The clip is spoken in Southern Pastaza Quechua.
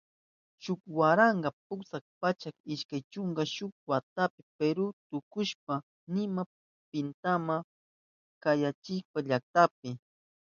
Shuk waranka pusak pachak ishkay chunka shuk watapi Peru tukushka nima pimanta kamachirishka llakta.